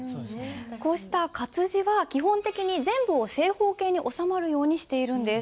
こうした活字は基本的に全部を正方形に収まるようにしているんです。